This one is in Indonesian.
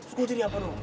gue jadi apa dong